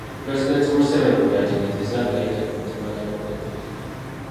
Pulezidenti Museveni bweyategeezezza ng’ayita ku mutimbagano gwa Twitter